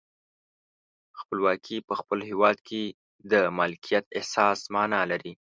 خپلواکي په خپل هیواد کې د مالکیت احساس معنا لري.